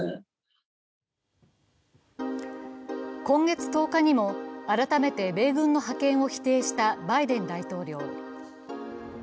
今月１０日にも改めて米軍の派遣を否定したバイデン大統領。